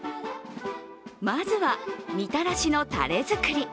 まずは、みたらしのたれ作り。